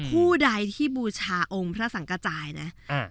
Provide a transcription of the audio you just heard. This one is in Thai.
ผู้ใดที่บูชาองค์พระสังกระจายนะ